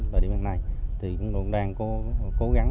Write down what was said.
thời điểm hiện nay thì chúng tôi cũng đang cố gắng